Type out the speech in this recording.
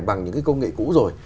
bằng những cái công nghệ cũ rồi